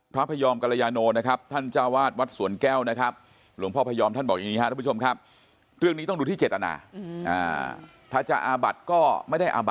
พระพยอมกรยาโนนะครับท่านเจ้าวาดวัดสวนแก้วนะครับ